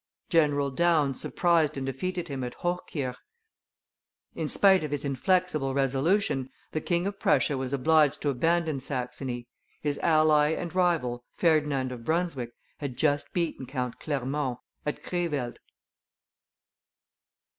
General Daun surprised and defeated him at Hochkirch; in spite of his inflexible resolution, the King of Prussia was obliged to abandon Saxony. His ally and rival, Ferdinand of Brunswick, had just beaten Count Clermont at Crevelt.